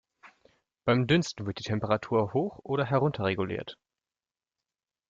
Beim Dünsten wird die Temperatur hoch oder herunterreguliert.